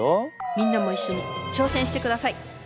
みんなも一緒に挑戦してください！